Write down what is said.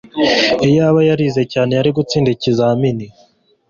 Iyaba yarize cyane yari gutsinda ikizamini